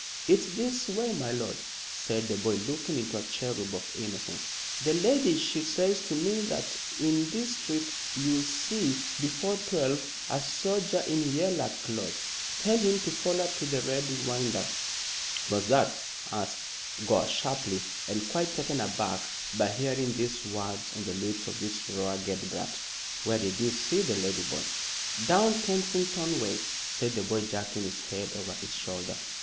"It's this way, my lord," said the boy, looking like a cherub of innocence. "The lady, she says to me that in this street you'll see, before twelve, a soldier in yeller clothes. Tell him to foller to the Red Winder." "What's that?" asked Gore, sharply, and quite taken aback by hearing these words on the lips of this ragged brat. "Where did you see the lady, boy?" "Down Kensington way," said the boy jerking his head over his shoulder.